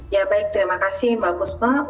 ya baik terima kasih mbak puspa